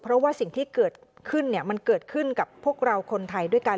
เพราะว่าสิ่งที่เกิดขึ้นมันเกิดขึ้นกับพวกเราคนไทยด้วยกัน